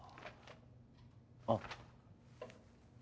あっ。